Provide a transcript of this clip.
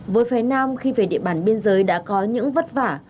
với phía nam khi về địa bàn biên giới đã có những vất vả